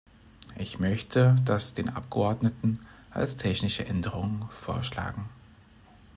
Ich möchte das den Abgeordneten als technische Änderung vorschlagen.